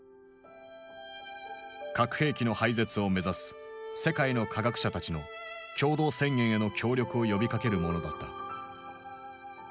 核兵器の廃絶を目指す世界の科学者たちの共同宣言への協力を呼びかけるものだった。